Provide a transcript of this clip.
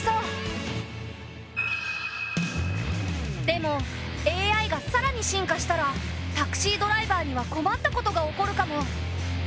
でもＡＩがさらに進化したらタクシードライバーには困ったことが起こるかも。